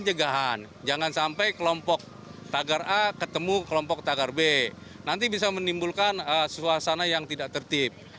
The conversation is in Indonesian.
pencegahan jangan sampai kelompok tagar a ketemu kelompok tagar b nanti bisa menimbulkan suasana yang tidak tertib